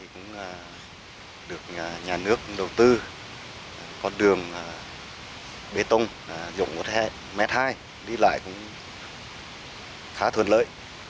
cũng được nhà nước đầu tư con đường bê tông rộng một hai m hai đi lại cũng khá thuận lợi